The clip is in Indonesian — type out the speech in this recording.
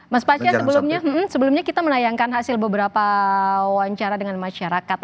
mas pasya sebelumnya kita menayangkan hasil beberapa wawancara dengan masyarakat